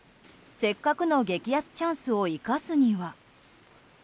せっかくの激安チャンスを生かすには。